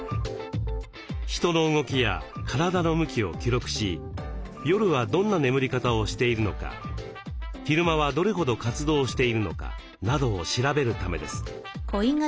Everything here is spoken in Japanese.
人の動きや体の向きを記録し夜はどんな眠り方をしているのか昼間はどれほど活動しているのかなどを調べるためです。